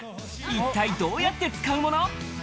一体どうやって使うもの？